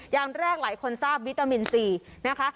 อย่างแรกหลายคนทราบวิตามินซีนะคะ